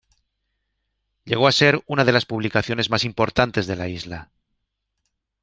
Llegó a ser una de las publicaciones más importantes de la isla.